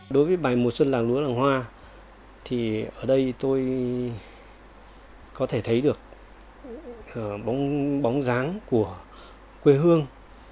đối với bài mùa xuân làng lúa làng hoa thì ở đây tôi có thể thấy được bóng dáng của quê hương